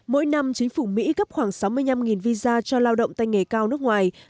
mỗi năm chính phủ mỹ cấp khoảng sáu mươi năm visa cho lao động tay nghề cao nước ngoài